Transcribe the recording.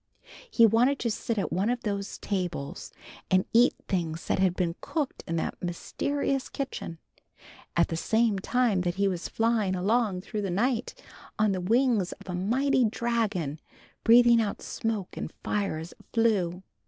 He wanted to sit at one of those tables, and eat things that had been cooked in that mysterious kitchen, at the same time that he was flying along through the night on the wings of a mighty dragon breathing out smoke and fire as it flew.